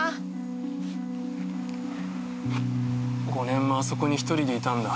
５年もあそこに一人でいたんだ。